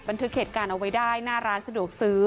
บันทึกเหตุการณ์เอาไว้ได้หน้าร้านสะดวกซื้อ